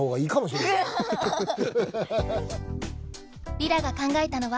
莉良が考えたのは。